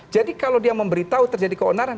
jadi kalau dia memberitahu terjadi keonaran